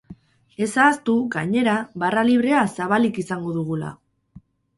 Ez ahaztu, gainera, barra librea zabalik izango dugula!